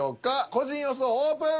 個人予想オープン！